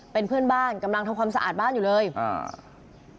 เป็นเพื่อนบ้านกำลังทำความสะอาดบ้านอยู่เลยอ่า